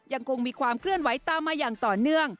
ยังคงมีความเคลื่อนไหวตามมาอย่างต่อเนื่อง